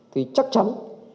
thì chắc chắn